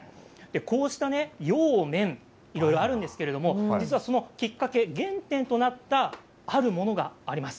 こうした洋めんいろいろあるんですけれどもそのきっかけ、原点となったあるものがあります。